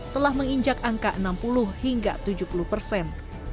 telah menginjak angka enam puluh hingga tujuh puluh persen